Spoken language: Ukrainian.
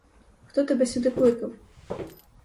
Хто тебе сюди кликав?